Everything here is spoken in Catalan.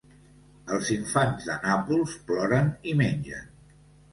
Els infants de Nàpols ploren i mengen.